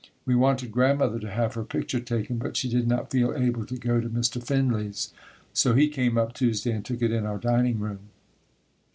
We wanted Grandmother to have her picture taken, but she did not feel able to go to Mr. Finley's, so he came up Tuesday and took it in our dining room.